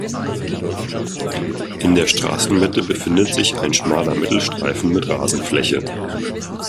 In der Straßenmitte befindet sich ein schmaler Mittelstreifen mit Rasenfläche.